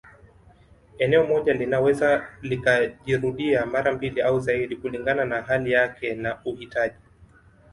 Eneo moja linaweza likajirudia mara mbili au zaidi kulingana na hali yake na uhitaji